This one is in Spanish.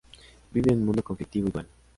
Vive un mundo conflictivo y dual.